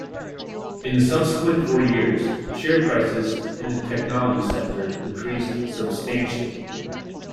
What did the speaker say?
In the subsequent four years, share prices in the technology sector increased substantially.